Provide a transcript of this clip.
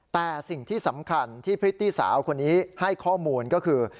แต่สิ่งที่สำคัญที่พริตตี้สาวคนนี้ให้ข้อมูลก็คือ